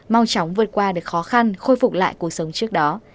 mau chóng vượt qua được khó khăn khôi phục lại cuộc sống trước đó